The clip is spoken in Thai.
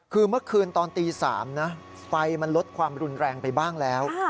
คือเมื่อคืนตอนตี๓นะไฟมันลดความรุนแรงไปบ้างแล้ว